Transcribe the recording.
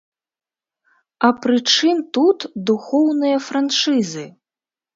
А прычым тут духоўныя франшызы?